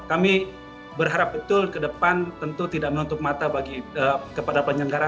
kami berharap betul ke depan tentu tidak menutup mata kepada penyelenggara